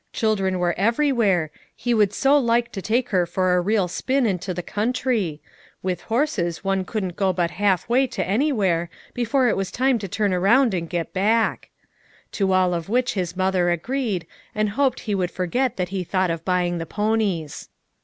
Chil dren were everywhere. He would so like to take her for a real spin into the country ; with horses one couldn't go but half way to any where before it was time to turn around and get back To all of which his mother agreed, and hoped he would forget that he thought of buying the ponies.